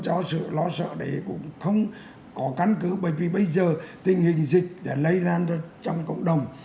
do sự lo sợ đấy cũng không có căn cứ bởi vì bây giờ tình hình dịch đã lây lan được trong cộng đồng